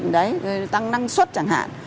đấy tăng năng suất chẳng hạn